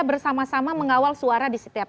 bersama sama mengawal suara di setiap